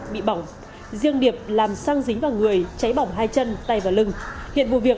bị bỏng riêng điệp làm xăng dính vào người cháy bỏng hai chân tay và lưng hiện vụ việc